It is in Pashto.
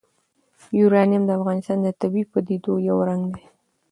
یورانیم د افغانستان د طبیعي پدیدو یو رنګ دی.